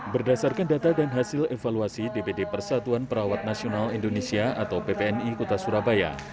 berdasarkan data dan hasil evaluasi dpd persatuan perawat nasional indonesia atau ppni kota surabaya